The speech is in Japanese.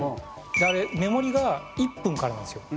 あれ、目盛りが１分からなんですよ。